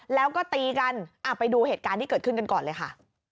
แล้วก็ตีกันไปดูเหตุการณ์ที่เกิดขึ้นกันก่อนเลยค่ะ